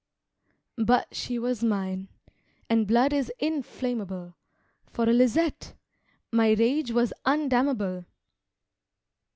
But she was mine, and blood is inflammable For a Lisette! My rage was undammable....